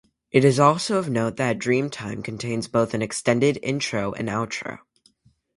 It is also of note that "Dreamtime" contains both an extended intro and outro.